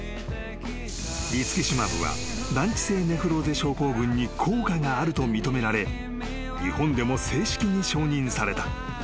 リツキシマブは難治性ネフローゼ症候群に効果があると認められ日本でも正式に承認された］